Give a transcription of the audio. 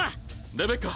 レベッカ